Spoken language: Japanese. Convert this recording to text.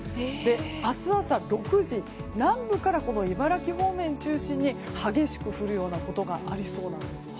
明日朝６時南部から茨城方面を中心に激しく降るようなことがありそうです。